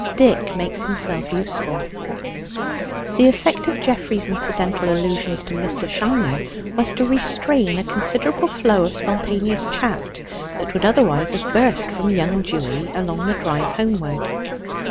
DICK MAKES HIMSELF USEFUL The effect of Geoffrey's incidental allusions to Mr. Shiner was to restrain a considerable flow of spontaneous chat that would otherwise have burst from young Dewy along the drive homeward.